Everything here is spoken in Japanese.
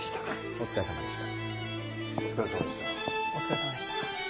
お疲れさまでした。